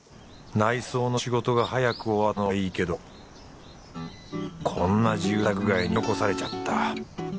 内装の仕事が早く終わったのはいいけどこんな住宅街に取り残されちゃった。